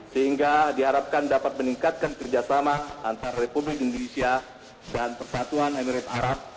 sehingga diharapkan dapat meningkatkan kerjasama antara republik indonesia dan persatuan emirat arab